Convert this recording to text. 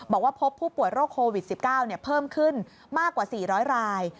บอกว่าพบผู้ป่วยโรคโควิด๑๙เพิ่มขึ้นมากกว่า๔๐๐ราย